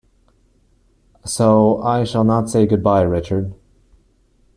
So I shall not say good-bye, Richard.